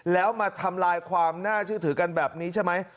แล้วมาทำลายความน่าเชื่อถือกันแบบนี้ใช่ไหม